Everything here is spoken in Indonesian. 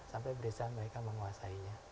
sampai beresan mereka menguasainya